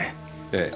ええ。